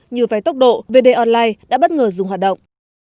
như vay tốc độ vd online đã bất ngờ dùng hoạt động